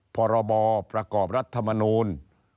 พรบประกอบรัฐธรรมนุน